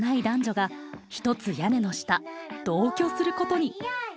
男女がひとつ屋根の下同居することに。